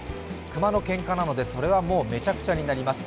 熊のけんかなので、それはもうめちゃくちゃになります。